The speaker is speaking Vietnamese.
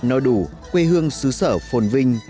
nôi đủ quê hương xứ sở phồn vinh